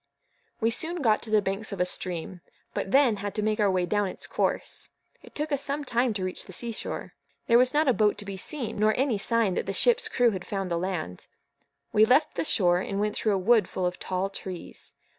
We soon got to the banks of a stream; but then had to make our way down its course. It took us some time to reach the sea shore. There was not a boat to be seen, or any sign that the ship's crew had found the land. We left the shore, and went through a wood full of tall trees.